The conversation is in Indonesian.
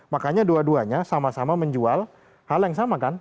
makanya dua duanya sama sama menjual hal yang sama kan